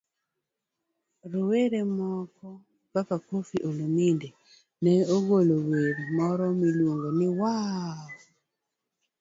Rowere moko kaka Koffi Olomide ne ogolo wer moro miluongo ni 'Waah!